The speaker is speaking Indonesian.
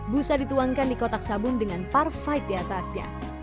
busa dituangkan di kotak sabun dengan parfide di atasnya